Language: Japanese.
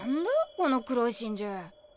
この黒い真珠？